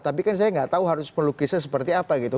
tapi kan saya nggak tahu harus melukisnya seperti apa gitu